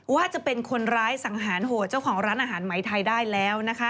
ว่าจะเป็นคนร้ายสังหารโหดเจ้าของร้านอาหารไหมไทยได้แล้วนะคะ